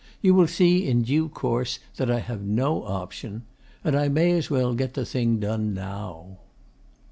You will see, in due course, that I have no option. And I may as well get the thing done now.